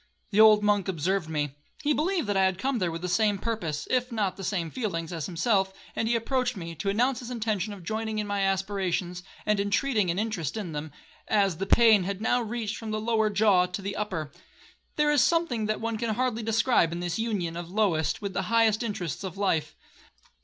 The old monk observed me. He believed that I had come there with the same purpose, if not with the same feelings, as himself; and he approached me, to announce his intention of joining in my aspirations, and intreating an interest in them, as the pain had now reached from the lower jaw to the upper. There is something that one can hardly describe in this union of the lowest with the highest interests of life.